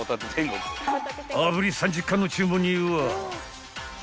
炙り３０貫の注文には］